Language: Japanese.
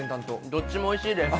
どっちもおいしいです。